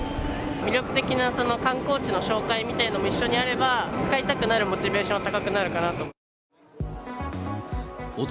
魅力的な観光地の紹介みたいのも一緒にあれば、使いたくなるモチベーション高くなるかなと。